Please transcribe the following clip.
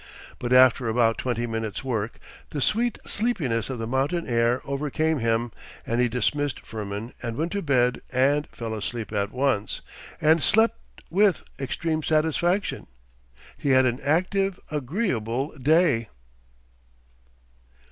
But after about twenty minutes' work the sweet sleepiness of the mountain air overcame him, and he dismissed Firmin and went to bed and fell asleep at once, and slept with extreme satisfaction. He had had an active, agreeable day.